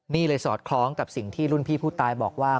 นี่เลยสอดคล้องกับสิ่งที่รุ่นพี่ผู้ตายบอกว่า